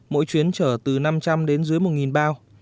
mỗi chuyến chở từ năm trăm linh đến dưới một bao